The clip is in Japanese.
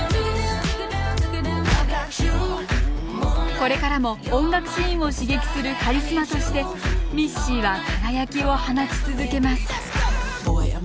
これからも音楽シーンを刺激するカリスマとしてミッシーは輝きを放ち続けます